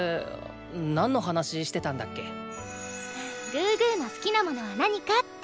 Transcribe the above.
グーグーの好きなものは何かって。